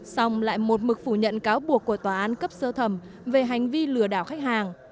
xong lại một mực phủ nhận cáo buộc của tòa án cấp sơ thẩm về hành vi lừa đảo khách hàng